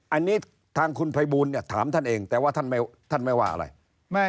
อันนี้ทางคุณภัยบูลเนี่ยถามท่านเองแต่ว่าท่านไม่ว่าอะไร